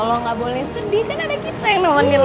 lo ga boleh sedih kan ada kita yang nomenin lo